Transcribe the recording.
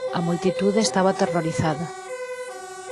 A multitude estaba aterrorizada.